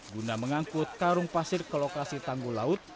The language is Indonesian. guna mengangkut karung pasir ke lokasi tanggul laut